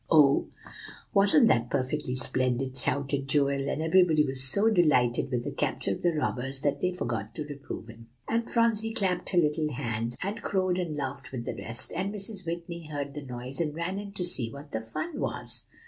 '" "Oh, wasn't that perfectly splendid!" shouted Joel. And everybody was so delighted with the capture of the robbers that they forgot to reprove him. And Phronsie clapped her little hands, and crowed and laughed with the rest; and Mrs. Whitney heard the noise and ran in to see what the fun was.